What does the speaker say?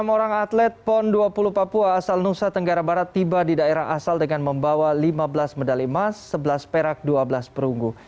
enam orang atlet pon dua puluh papua asal nusa tenggara barat tiba di daerah asal dengan membawa lima belas medali emas sebelas perak dua belas perunggu